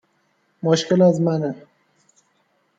مشکل از منه